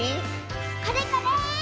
これこれ！